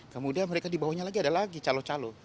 kemudian mereka dibawahnya lagi ada lagi calo calo